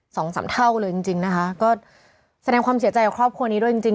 สองสามเท่าเลยจริงจริงนะคะก็แสดงความเสียใจกับครอบครัวนี้ด้วยจริงจริง